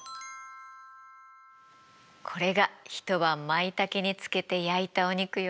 これが一晩マイタケに漬けて焼いたお肉よ。